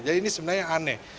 jadi ini sebenarnya aneh